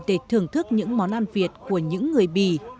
để thưởng thức những món ăn việt của những người bỉ